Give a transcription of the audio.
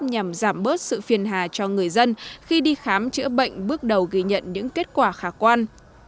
nhằm giảm bớt sự phiền hà cho người dân khi đi khám chữa bệnh bước đầu ghi nhận những kết quả khả quan